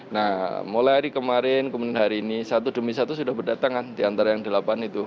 nah mulai hari kemarin kemudian hari ini satu demi satu sudah berdatangan diantara yang delapan itu